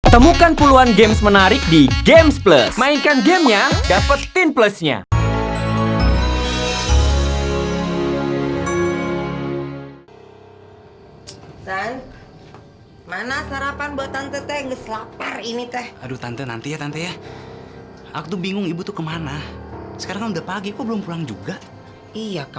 temukan puluhan games menarik di gamesplus